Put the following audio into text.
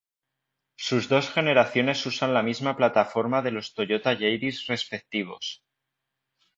Sus dos generaciones usan la misma plataforma de los Toyota Yaris respectivos.